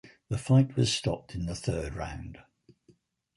The fight was stopped in the third round.